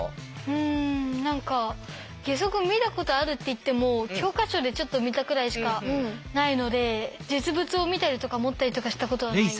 うん何か義足見たことあるっていっても教科書でちょっと見たくらいしかないので実物を見たりとか持ったりとかしたことはないです。